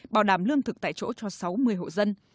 bảo đảm lương thực tại chỗ cho sáu mươi hộ dân